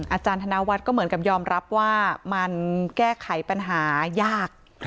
อาจารย์ธนวัฒน์ก็เหมือนกับยอมรับว่ามันแก้ไขปัญหายาก